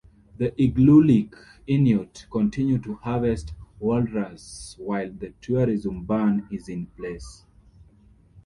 The Igloolik Inuit continue to harvest walrus while the tourism ban is in place.